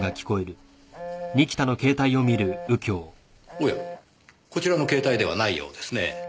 おやこちらの携帯ではないようですね。